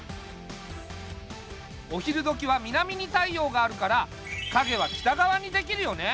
お昼どきは南に太陽があるからかげは北がわにできるよね。